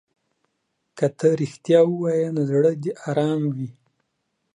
که ته رښتیا ووایې نو زړه دې ارام وي.